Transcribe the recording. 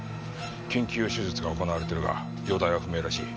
緊急手術が行われているが容体は不明らしい。